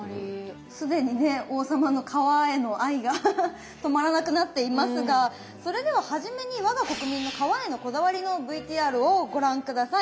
既にね王様の皮への愛が止まらなくなっていますがそれでは初めに我が国民の皮へのこだわりのＶＴＲをご覧下さい。